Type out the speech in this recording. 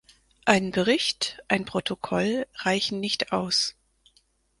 Ein Bericht, ein Protokoll reichen nicht aus.